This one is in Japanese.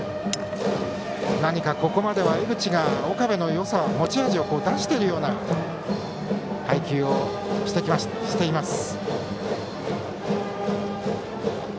ここまでは江口が岡部の良さ持ち味を出しているような配球をしています。